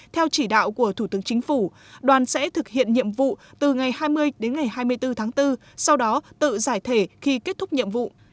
theo chỉ đạo của thủ tướng chính phủ đoàn sẽ thực hiện nhiệm vụ từ ngày hai mươi đến ngày hai mươi bốn tháng bốn sau đó tự giải thể khi kết thúc nhiệm vụ